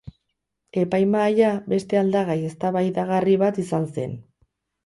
Epaimahaia beste aldagai eztabaidagarri bat izan zen.